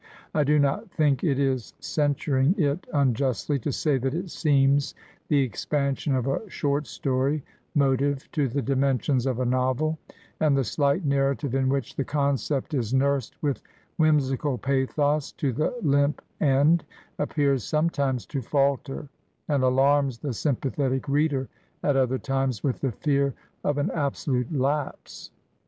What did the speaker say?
I do not think it is censuring it unjustly to say that it seems the expansion of a short story motive to the dimensions of a novel; and the slight narrative in which the concept is nursed with whimsical pathos to the limp end, appears sometimes to falter, and alarms the sjnnpathetic reader at other times with the fear of an absolute lapse.